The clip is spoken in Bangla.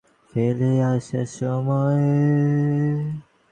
আশা করি নির্বিঘ্নে এসে পৌঁছবে।